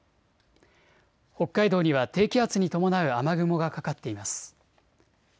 北海道には低気圧に伴う雨雲がかかっています。